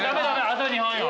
あと２本よ